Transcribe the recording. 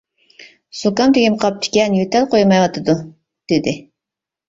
«زۇكام تېگىپ قاپتىكەن، يۆتەل قويمايۋاتىدۇ» دېدى.